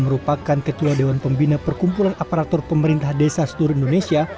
merupakan ketua dewan pembina perkumpulan aparatur pemerintah desa seluruh indonesia